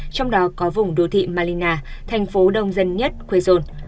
trong đó có vùng đô thị malina thành phố đông dân nhất quezon